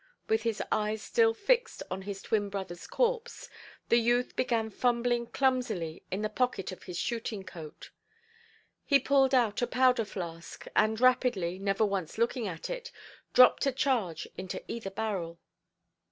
With his eyes still fixed on his twin–brotherʼs corpse, the youth began fumbling clumsily in the pocket of his shooting–coat; he pulled out a powder–flask, and rapidly, never once looking at it, dropped a charge into either barrel.